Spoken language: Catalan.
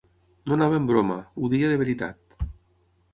No anava en broma; ho deia de veritat.